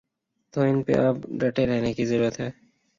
تو ان پہ اب ڈٹے رہنے کی ضرورت ہے۔